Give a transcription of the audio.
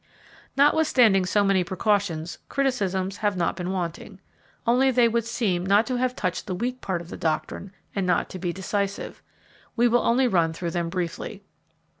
Notwithstanding so many precautions, criticisms have not been wanting; only they would seem not to have touched the weak part of the doctrine and not to be decisive. We will only run through them briefly.